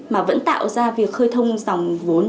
mà vẫn tạo ra việc khơi thông dòng vốn